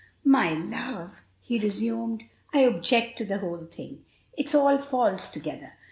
"My love," he resumed, "I object to the whole thing. It's all false together.